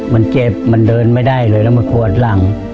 มันเจ็บมันเดินไม่ได้เลยแล้วมาขวดหลัง